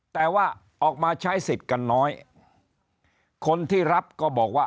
แต่ว่าออกมาใช้สิทธิ์กันน้อยคนที่รับก็บอกว่า